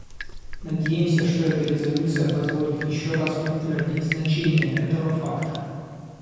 Надеемся, что эта резолюция позволит еще раз подтвердить значение этого факта.